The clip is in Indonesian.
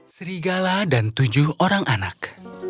serigala dan tujuh orang anak